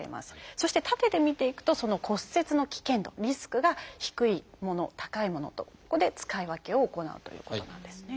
そして縦で見ていくとその骨折の危険度リスクが低いもの高いものとここで使い分けを行うということなんですね。